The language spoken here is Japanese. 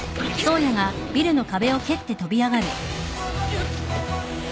よっ！